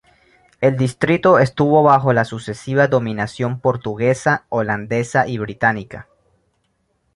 El distrito estuvo bajo la sucesiva dominación portuguesa, holandesa y británica.